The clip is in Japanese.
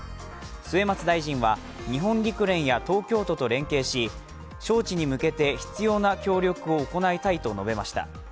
末松大臣は、日本陸連や東京都と連携し招致に向けて必要な協力を行いたいと述べました。